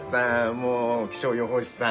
もう気象予報士さん。